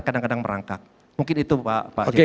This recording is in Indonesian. kadang kadang merangkak mungkin itu pak